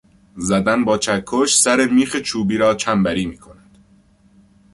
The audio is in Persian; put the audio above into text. زدن با چکش سر میخ چوبی را چنبری می کند.